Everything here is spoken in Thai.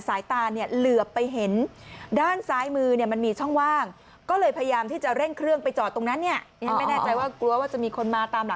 สายตาเนี่ยเหลือไปเห็น